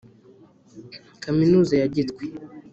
kaminuza ya gitwe